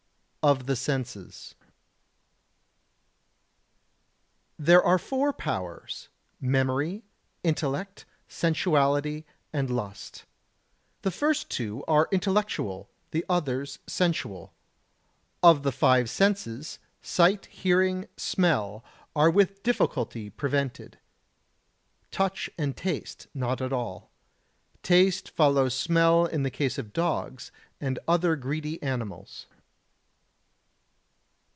[Sidenote: Of the Senses] 74. There are the four powers: memory, intellect, sensuality and lust. The first two are intellectual, the others sensual. Of the five senses, sight, hearing, smell are with difficulty prevented; touch and taste not at all. Taste follows smell in the case of dogs and other greedy animals.